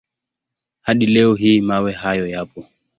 Hadi leo hii mawe hayo yapo.